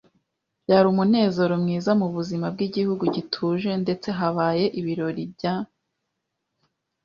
byari umunezero mwiza mubuzima bwigihugu gituje, ndetse habaye ibirori by